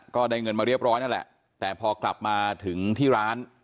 ก็ได้เงินมาเรียบร้อยนั่นแหละแต่พอกลับมาถึงที่ร้าน